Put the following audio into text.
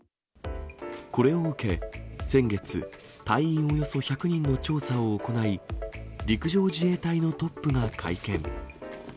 これを受け、先月、隊員およそ１００人の調査を行い、陸上自衛隊のトップが会見。